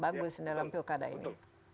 bagus dalam pilkada ini